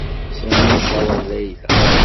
Sami i caweṛ Layla.